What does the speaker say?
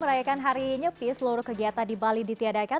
merayakan hari nyepi seluruh kegiatan di bali ditiadakan